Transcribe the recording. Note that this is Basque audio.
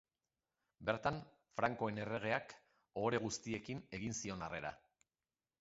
Bertan frankoen erregeak ohore guztiekin egin zion harrera.